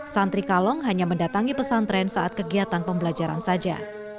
santri kalong hanya mendatangi pesantren saat kegiatan pembelajaran saja